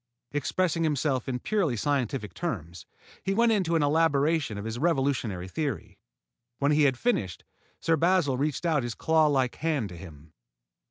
Expressing himself in purely scientific terms, he went into an elaboration of his revolutionary theory. When he had finished, Sir Basil reached out his clawlike hand to him.